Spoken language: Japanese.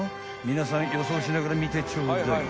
［皆さん予想しながら見てちょうだい］